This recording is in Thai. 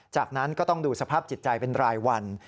จากนั้นก็ต้องดูสภาพจิตใจเป็นรายวัน